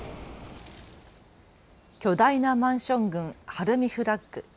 巨大なマンション群、晴海フラッグ。